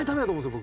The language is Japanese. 僕。